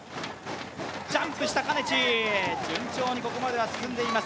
ジャンプしたかねちー、順調にここまでは進んでいます。